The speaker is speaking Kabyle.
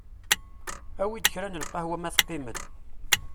Awi-d kra n lqahwa ma teqqim-d.